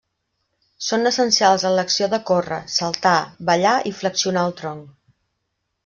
Són essencials en l'acció de córrer, saltar, ballar i flexionar el tronc.